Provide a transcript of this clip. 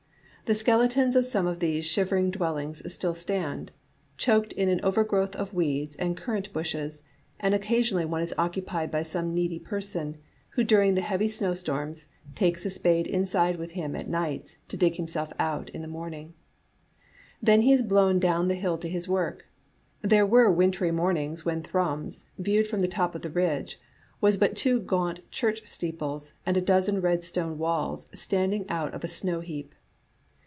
The skel etons of some of these shivering dwellings still stand, choked in an overgrowth of weeds and currant bushes, and occasionally one is occupied by some needy person, who during the heavy snowstorms, takes a spade inside Vrith him at nights to dig himself out in the morning. Digitized by VjOOQ IC Then he is blown down the hill to his work. There were wintry mornings when Ttrums, viewed from the top of the ridge, was but two gaunt church steeples and a dozen red stone walls standing out of a snow heap.